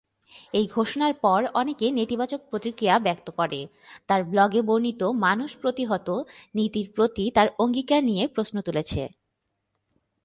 এই ঘোষণার পর অনেকে নেতিবাচক প্রতিক্রিয়া ব্যক্ত করে, তার ব্লগে বর্ণিত "মানুষ প্রতিহত" নীতির প্রতি তার অঙ্গীকার নিয়ে প্রশ্ন তুলেছে।